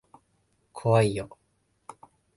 怖いよ。